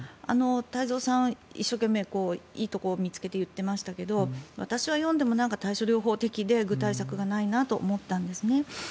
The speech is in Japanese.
太蔵さんは一生懸命いいところを見つけて言ってましたけど私は読んでも、対症療法的で具体策がないなと思ったんですね。